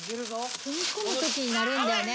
踏み込むときに鳴るんだよね。